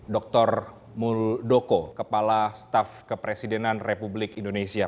dr muldoko kepala staff kepresidenan republik indonesia